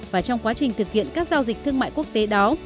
và trong quá trình thực hiện các giao dịch thương mại quốc tế đó